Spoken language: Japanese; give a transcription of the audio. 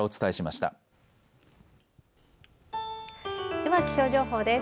では気象情報です。